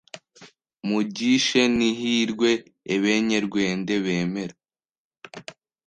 m u gis h e n’ihirwe Ebenyerwende bemere